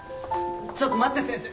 ちょっと待って先生！